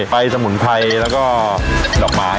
ไปสมุนไพรแล้วก็ดอกไม้